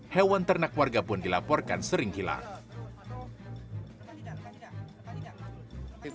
hewan ternak warga pun dilaporkan sering hilang